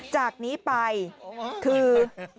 จากนี้ไปคือ